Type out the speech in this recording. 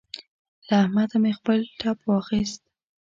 له احمده مې خپل ټپ واخيست.